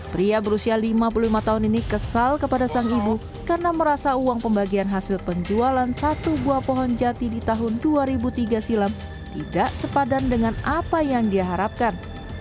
pria berusia lima puluh lima tahun ini kesal kepada sang ibu karena merasa uang pembagian hasil penjualan satu buah pohon jati di tahun dua ribu tiga silam tidak sepadan dengan apa yang diharapkan